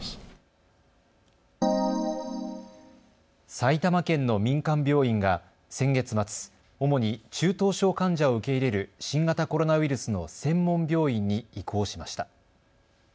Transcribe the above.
埼玉県の民間病院が先月末、主に中等症患者を受け入れる新型コロナウイルスの専門病院に移行しました。